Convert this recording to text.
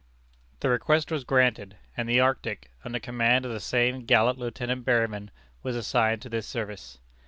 The request was granted, and the Arctic, under command of the same gallant Lieutenant Berryman, was assigned to this service.